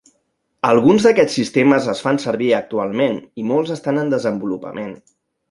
Alguns d'aquests sistemes es fan servir actualment i molts estan en desenvolupament.